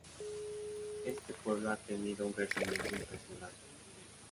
Este pueblo ha tenido un crecimiento impresionante.